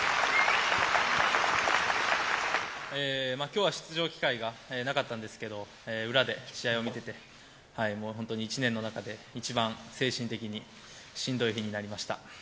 今日は出場機会がなかったんですが裏で試合を見ていて１年の中で一番精神的にしんどい日になりました。